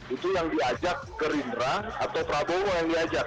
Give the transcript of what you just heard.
itu yang diajak gerindra atau prabowo yang diajak